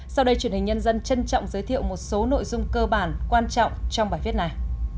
sau đây truyền hình nhân dân trân trọng giới thiệu một số nội dung cơ bản quan trọng trong bài viết này